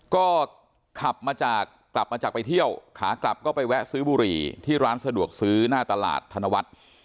ก็ขับมาจากกลับมาจากไปเที่ยวขากลับก็ไปแวะซื้อบุหรี่ที่ร้านสะดวกซื้อหน้าตลาดธนวัฒน์